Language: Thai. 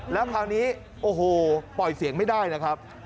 แล้วคราวนี้โอ้โหปล่อยเสียงไม่ได้นะครับ